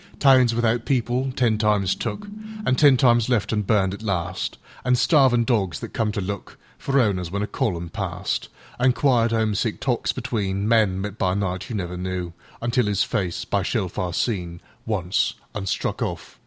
Towns without people, ten times took, An' ten times left an' burned at last; An' starvin' dogs that come to lookFor owners when a column passed; An' quiet, 'omesick talks betweenMen, met by night, you never knewUntil—'is face—by shellfire seen—Once—an' struck off.